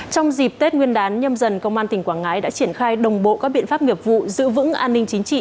trong dịp tết nguyên đán nhâm dần công an tỉnh quảng ngãi đã triển khai đồng bộ các biện pháp nghiệp vụ giữ vững an ninh chính trị